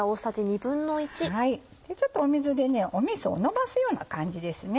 ちょっと水でみそをのばすような感じですね。